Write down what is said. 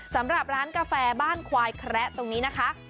สำหรับร้านกาแฟบ้านควายแคระตรงนี้นะคะ